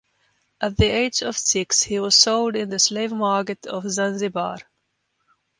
At the age of six he was sold in the slave market of Zanzibar.